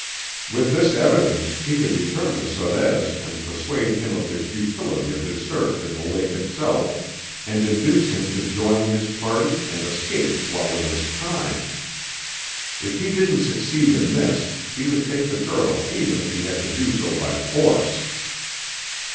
With this evidence he could return to Sorez and persuade him of the futility of his search in the lake itself and induce him to join his party and escape while there was time. If he didn't succeed in this, he would take the girl even if he had to do so by force.